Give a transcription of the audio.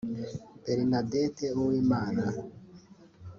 Bernadette Uwimana